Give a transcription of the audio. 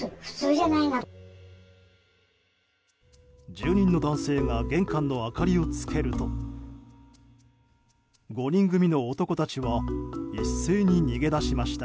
住人の男性が玄関の明かりをつけると５人組の男たちは一斉に逃げ出しました。